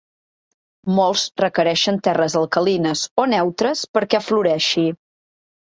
Molts requereixen terres alcalines o neutres perquè floreixi.